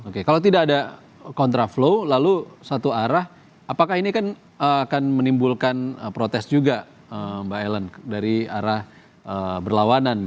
oke kalau tidak ada kontraflow lalu satu arah apakah ini kan akan menimbulkan protes juga mbak ellen dari arah berlawanan